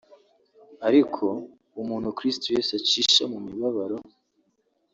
Ariko umuntu Kristo Yesu acisha mu mibabaro